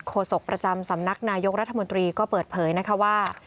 โศกประจำสำนักนายกรัฐมนตรีก็เปิดเผยนะคะว่า